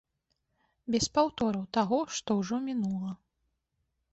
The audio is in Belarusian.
Без паўтораў таго, што ўжо мінула.